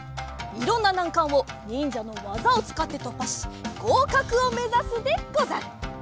いろんななんかんをにんじゃのわざをつかってとっぱしごうかくをめざすでござる！